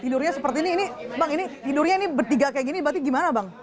tidurnya seperti ini ini bang ini tidurnya ini bertiga kayak gini berarti gimana bang